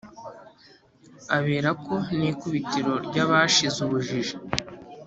aberako n' ikubitiro ry' abashize ubujiji,